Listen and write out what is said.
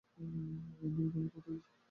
EV, তুমি কোথায় যাচ্ছ?